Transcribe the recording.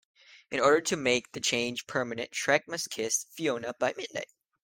In order "to make the change permanent", Shrek must kiss Fiona "by midnight".